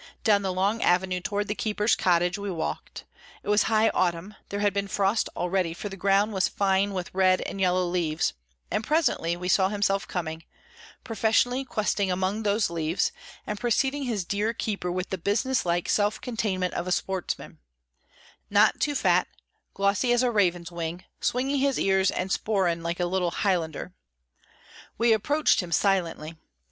Down the long avenue toward the keeper's cottage we walked: It was high autumn; there had been frost already, for the ground was fine with red and yellow leaves; and presently we saw himself coming; professionally questing among those leaves, and preceding his dear keeper with the businesslike self containment of a sportsman; not too fat, glossy as a raven's wing, swinging his ears and sporran like a little Highlander. We approached him silently.